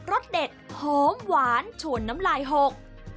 สเด็ดหอมหวานชวนน้ำลายหก